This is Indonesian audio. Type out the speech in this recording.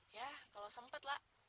ya kalau sempet lah